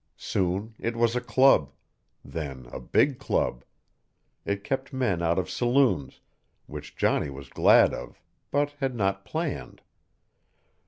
Soon it was a club then a big club; it kept men out of saloons, which Johnny was glad of, but had not planned.